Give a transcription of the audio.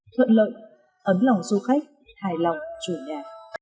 thuận lợi ấm lòng du khách hài lòng chủ nhà